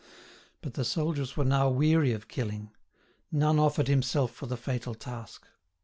But the soldiers were now weary of killing; none offered himself for the fatal task.